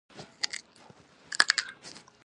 د روسیې بازار د میوو لپاره څنګه دی؟